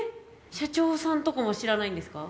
社長さんとかも知らないんですか？